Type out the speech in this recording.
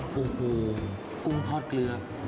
กุ้งปูกุ้งทอดเกลือ